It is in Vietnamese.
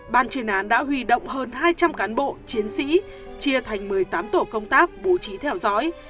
ban chuyên án đã huy động hơn hai trăm linh cán bộ chiến sĩ chia thành một mươi tám tổ công tác bố trí theo dõi